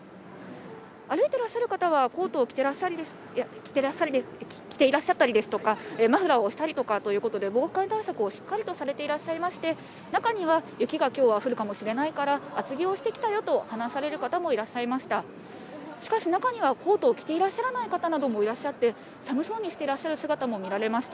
歩いていらっしゃる方は、コートを着ていらっしゃったりですとか、マフラーをしたりとかいうことで、防寒対策をしっかりとしていらっしゃいまして、中には雪がきょうは降るかもしれないから、厚着をしてきたよと話される方もいらっしゃいました。